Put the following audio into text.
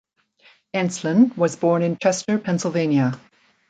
Enslin was born in Chester, Pennsylvania.